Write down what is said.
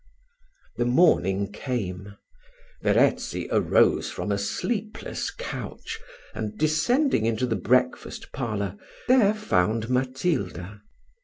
The morning came Verezzi arose from a sleepless couch, and descending into the breakfast parlour, there found Matilda.